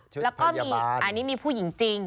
ชุดภาพยาบาลอันนี้มีผู้หญิงจริง